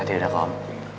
tidak ada kok om